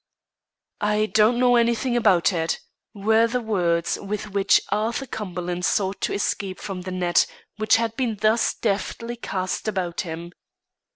"I don't know anything about it," were the words with which Arthur Cumberland sought to escape from the net which had been thus deftly cast about him.